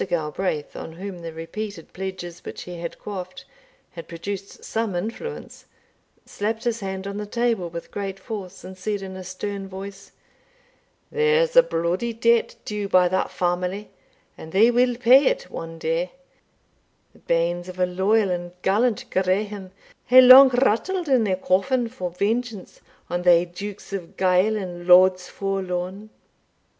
Galbraith, on whom the repeated pledges which he had quaffed had produced some influence, slapped his hand on the table with great force, and said, in a stern voice, "There's a bloody debt due by that family, and they will pay it one day The banes of a loyal and a gallant Grahame hae lang rattled in their coffin for vengeance on thae Dukes of Guile and Lords for Lorn.